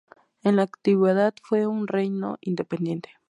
En la antigüedad fue un reino independiente.